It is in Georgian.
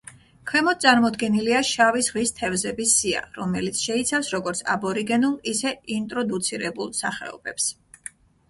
ქვემოთ წარმოდგენილია შავი ზღვის თევზების სია, რომელიც შეიცავს როგორც აბორიგენულ, ისე ინტროდუცირებულ სახეობებს.